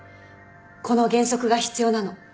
この原則が必要なの。